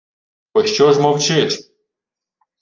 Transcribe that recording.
— Пощо ж мовчиш?